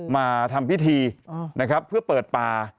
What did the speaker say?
มาทำพิธีนะครับเพื่อเปิดป่า